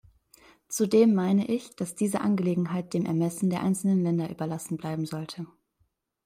Zudem meine ich, dass diese Angelegenheit dem Ermessen der einzelnen Länder überlassen bleiben sollte.